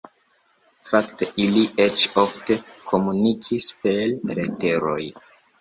Fakte, ili eĉ ofte komunikis per leteroj.